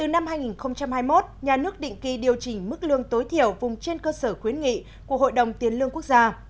năm hai nghìn hai mươi một nhà nước định kỳ điều chỉnh mức lương tối thiểu vùng trên cơ sở khuyến nghị của hội đồng tiền lương quốc gia